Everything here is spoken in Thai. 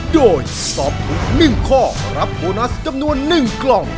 โดยตอบถูกหนึ่งข้อรับโบนัสจำนวนหนึ่งกล่อง